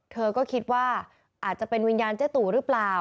เธอก็คิดว่าอาจจะเป็นวิญญาณเจ๊ตู่หรือเปล่า